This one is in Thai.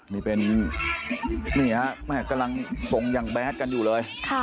นี่เป็นนี่ฮะแม่กำลังทรงอย่างแดดกันอยู่เลย